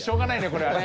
これはね。